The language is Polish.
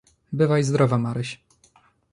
"Bywaj zdrowa, Maryś."